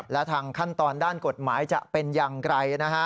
และทางขั้นตอนด้านกฎหมายจะเป็นอย่างไรนะฮะ